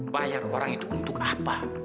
bayar orang itu untuk apa